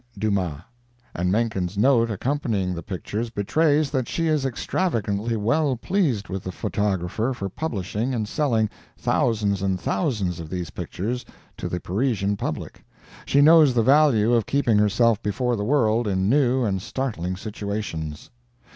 DUMAS." And Menken's note accompanying the pictures betrays that she is extravagantly well pleased with the photographer for publishing and selling thousands and thousands of these pictures to the Parisian public. She knows the value of keeping herself before the world in new and startling situations.